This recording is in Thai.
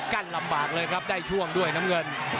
ลำบากเลยครับได้ช่วงด้วยน้ำเงิน